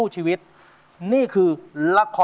ช่วยฝังดินหรือกว่า